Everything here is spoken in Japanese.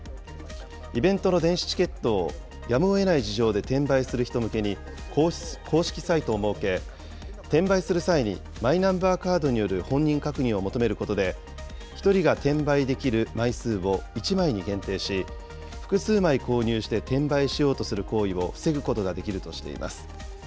イベントの電子チケットをやむをえない事情で転売する人向けに公式サイトを設け、転売する際に、マイナンバーカードによる本人確認を求めることで、１人が転売できる枚数を１枚に限定し、複数枚購入して転売しようとする行為を防ぐことができるとしています。